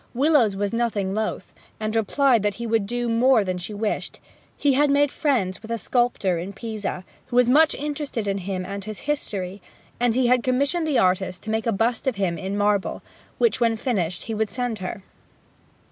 Willowes was nothing loth, and replied that he would do more than she wished: he had made friends with a sculptor in Pisa, who was much interested in him and his history; and he had commissioned this artist to make a bust of himself in marble, which when finished he would send her.